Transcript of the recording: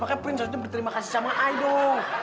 makanya prince harusnya berterima kasih sama i dong